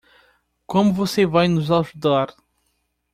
Como você vai nos ajudar?